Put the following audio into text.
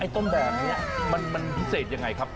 ต้นแบบนี้มันพิเศษยังไงครับ